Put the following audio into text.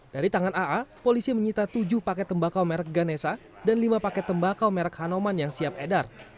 dari tangan aa polisi menyita tujuh paket tembakau merek ganesa dan lima paket tembakau merek hanoman yang siap edar